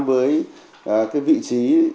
với cái vị trí